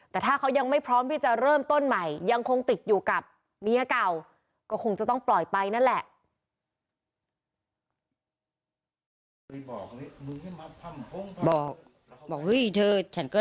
แต่ถ้าเขายังไม่พร้อมที่จะเริ่มต้นใหม่ยังคงติดอยู่กับเมียเก่าก็คงจะต้องปล่อยไปนั่นแหละ